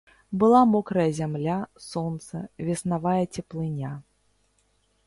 Была мокрая зямля, сонца, веснавая цеплыня.